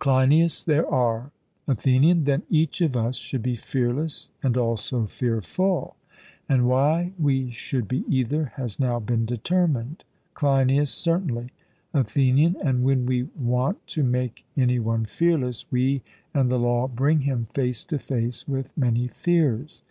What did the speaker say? CLEINIAS: There are. ATHENIAN: Then each of us should be fearless and also fearful; and why we should be either has now been determined. CLEINIAS: Certainly. ATHENIAN: And when we want to make any one fearless, we and the law bring him face to face with many fears.